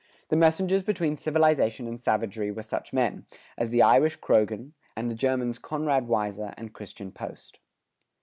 The messengers between civilization and savagery were such men,[105:1] as the Irish Croghan, and the Germans Conrad Weiser and Christian Post.